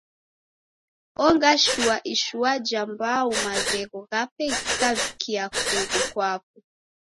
Ong'ashua ishua ja mbau maghegho ghape ghikavikia kughu kwapo.